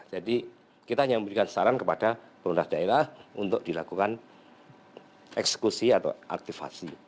jadi kita hanya memberikan saran kepada pemerintah daerah untuk dilakukan eksekusi atau aktivasi